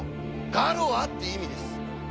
「ガロア」っていう意味です。